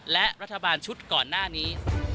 และรัฐบาลชุดก่อนหน้านี้